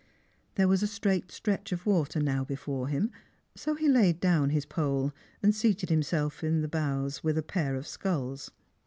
There was a straight stretch of water now before him ; so he laid down his jiole, and seated himself in the bows with a pair of sculls.